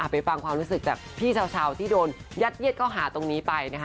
ไปฟังความรู้สึกจากพี่เช้าที่โดนยัดเย็ดเข้าหาตรงนี้ไปนะคะ